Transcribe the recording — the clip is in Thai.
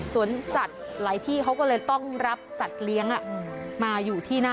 สวนสัตว์หลายที่เขาก็เลยต้องรับสัตว์เลี้ยงมาอยู่ที่นั่น